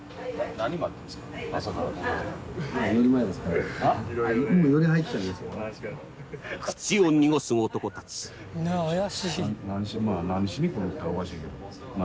「何しに来るったらおかしいけど」